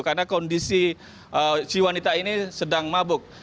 karena kondisi si wanita ini sedang mabuk